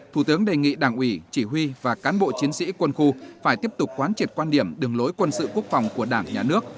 thủ tướng đề nghị đảng ủy chỉ huy và cán bộ chiến sĩ quân khu phải tiếp tục quán triệt quan điểm đường lối quân sự quốc phòng của đảng nhà nước